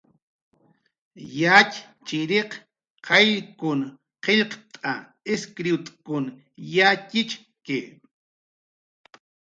Yatxchiriq qayllkun qillqt'a, iskriwt'kun yatxichki